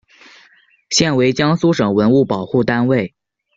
现为江苏省文物保护单位。